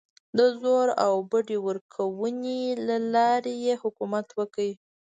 د زور او بډې ورکونې له لارې یې حکومت وکړ.